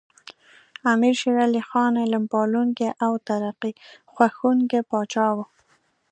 امیر شیر علی خان علم پالونکی او ترقي خوښوونکی پاچا و.